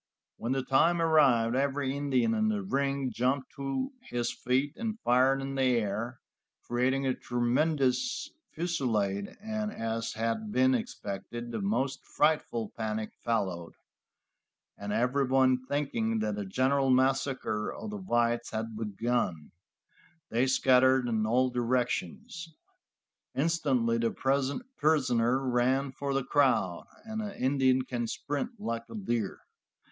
When the time arrived every Indian in the ring jumped to his feet and fired in the air, creating a tremendous fusilade, and as had been expected, the most frightful panic followed, and everyone thinking that a general massacre of the whites had begun, they scattered in all directions. Instantly the prisoner ran for the crowd, and an Indian can sprint like a deer.